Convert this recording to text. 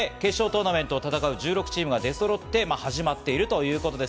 それで決勝トーナメントを戦う１６チームが出そろって、始まっているということです。